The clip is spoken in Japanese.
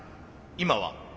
今は？